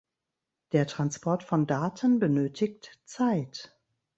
Der Transport von Daten benötigt Zeit.